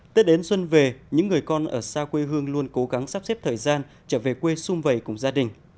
tết đến xuân về những người con ở xa quê hương luôn cố gắng sắp xếp thời gian trở về quê xung vầy cùng gia đình